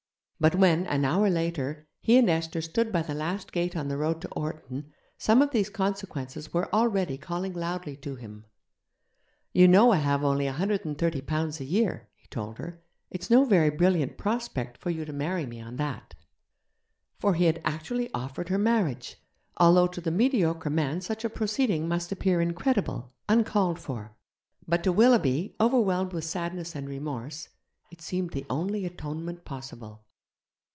But when, an hour later, he and Esther stood by the last gate on the road to Orton, some of these consequences were already calling loudly to him. 'You know I have only £130 a year?' he told her; 'it's no very brilliant prospect for you to marry me on that.' For he had actually offered her marriage, although to the mediocre man such a proceeding must appear incredible, uncalled for. But to Willoughby, overwhelmed with sadness and remorse, it seemed the only atonement possible.